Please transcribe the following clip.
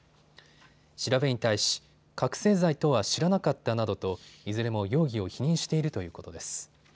調べに対し、覚醒剤とは知らなかったなどといずれも容疑を否認しているということです。